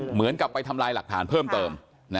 เหมือนกับไปทำลายหลักฐานเพิ่มเติม